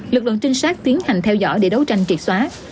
lực lượng trinh sát tiến hành theo dõi để đấu tranh triệt xóa